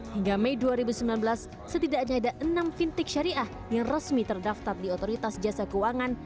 hingga mei dua ribu sembilan belas setidaknya ada enam fintech syariah yang resmi terdaftar di otoritas jasa keuangan